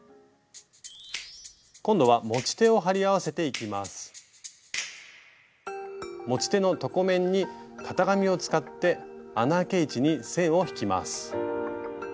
今度は持ち手の床面に型紙を使って穴あけ位置に線を引きます。